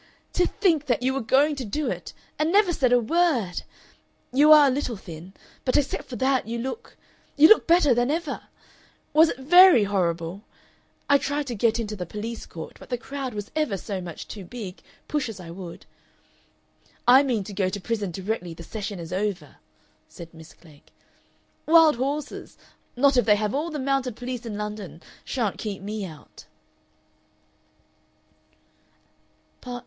"To think that you were going to do it and never said a word! You are a little thin, but except for that you look you look better than ever. Was it VERY horrible? I tried to get into the police court, but the crowd was ever so much too big, push as I would.... "I mean to go to prison directly the session is over," said Miss Klegg. "Wild horses not if they have all the mounted police in London shan't keep me out."